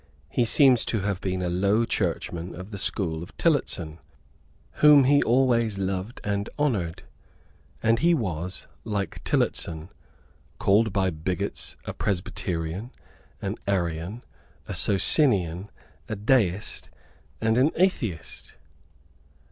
He seems to have been a Low Churchman of the school of Tillotson, whom he always loved and honoured; and he was, like Tillotson, called by bigots a Presbyterian, an Arian, a Socinian, a Deist, and an Atheist.